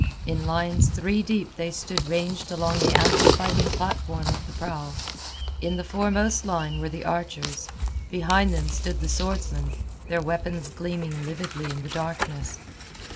In lines three deep they stood ranged along the ample fighting platform of the prow; in the foremost line were the archers, behind them stood the swordsmen, their weapons gleaming lividly in the darkness.